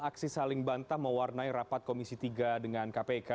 aksi saling bantah mewarnai rapat komisi tiga dengan kpk